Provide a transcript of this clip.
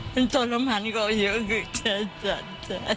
มันทรมานก็เหยื่อคือเจ็ดเจ็ด